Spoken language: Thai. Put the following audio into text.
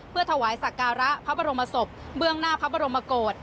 เพื่อถวายสักการะพระบรมศพเบื้องหน้าพระบรมโกศ